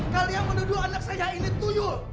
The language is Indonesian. kalian menuduh anak saya ini tuyu